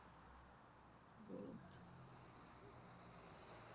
Možnost odebrání titulu však není v zákoně jednoznačně stanovena a je předmětem sporů.